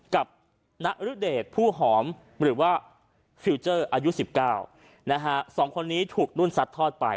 กับนรเดชผู้หอมหรือว่าอายุสิบเก้านะฮะสองคนนี้ถูกรุ่นซัดทอดไป